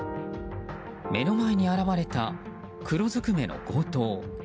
目の前に現れた黒ずくめの強盗。